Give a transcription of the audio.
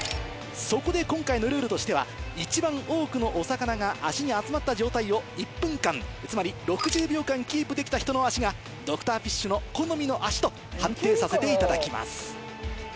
そこで今回のルールとしては一番多くのお魚が足に集まった状態を１分間つまり６０秒間キープできた人の足がドクターフィッシュの好みの足と判定させていただきます。